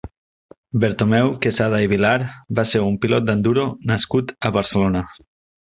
Bertomeu Quesada i Vilar va ser un pilot d'enduro nascut a Barcelona.